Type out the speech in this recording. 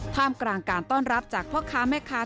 ท่ามกลางการต้อนรับจากพ่อค้าแม่ค้า